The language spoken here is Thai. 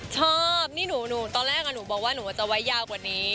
ชอบนี่ตอนแรกอะหนูบอกว่าจะไว้ยาวกว่านี้